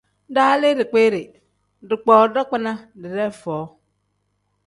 Daalii dikpiiri, dikpoo dagbina didee foo.